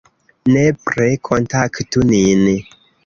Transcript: Nepre kontaktu nin!